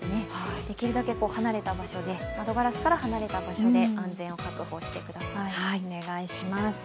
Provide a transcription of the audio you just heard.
できるだけ窓ガラスから離れた場所で安全を確保してください。